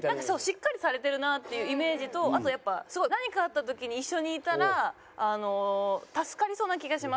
しっかりされてるなっていうイメージとあとやっぱすごい何かあった時に一緒にいたら助かりそうな気がします。